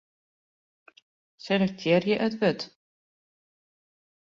Selektearje it wurd.